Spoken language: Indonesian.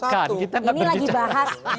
ini lagi bahas